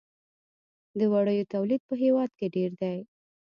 د وړیو تولید په هیواد کې ډیر دی